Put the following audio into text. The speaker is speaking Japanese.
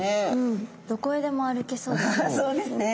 どこへでも歩けそうですよね。